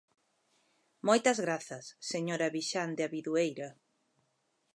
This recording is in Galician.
Moitas grazas, señora Vixande Abidueira.